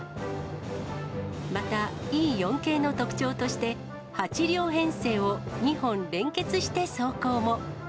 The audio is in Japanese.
また、Ｅ４系の特徴として、８両編成を２本連結して走行も。